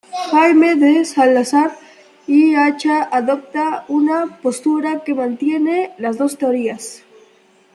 Jaime de Salazar y Acha adopta una postura que mantiene las dos teorías.